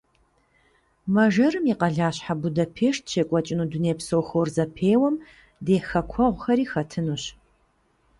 Мэжэрым и къэлащхьэ Будапешт щекӏуэкӏыну дунейпсо хор зэпеуэм ди хэкуэгъухэри хэтынущ.